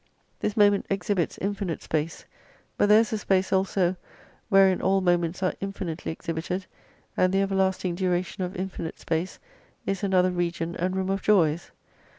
This moment exhibits infinite space, but there is a space also wherein all moments are infinitely exhibited, and the everlasting duration of infinite space is another region and room of joys.